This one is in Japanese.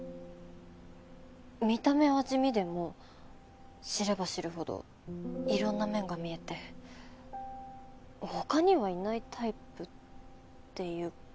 見た目は地味でも知れば知るほどいろんな面が見えて他にはいないタイプっていうか。